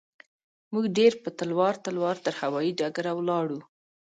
موږ ډېر په تلوار تلوار تر هوايي ډګره ولاړو.